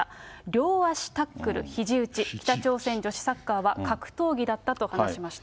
両足タックル、ひじ打ち、北朝鮮女子サッカーは、格闘技だったと話しました。